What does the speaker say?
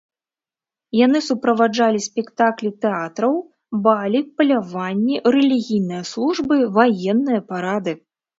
Яны суправаджалі спектаклі тэатраў, балі, паляванні, рэлігійныя службы, ваенныя парады.